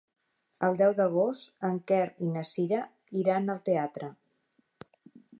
El deu d'agost en Quer i na Cira iran al teatre.